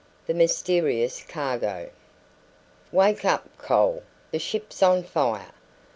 THE MYSTERIOUS CARGO "Wake up, Cole! The ship's on fire!"